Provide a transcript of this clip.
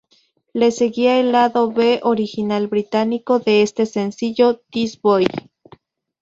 Le seguía el lado B original británico de este sencillo, "This Boy".